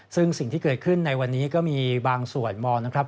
ซึ่งสิ่งที่เกิดขึ้นในวันนี้ก็มีบางส่วนมองนะครับ